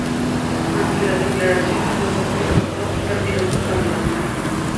Ante las declaraciones de Boko, Lawson retiró su candidatura.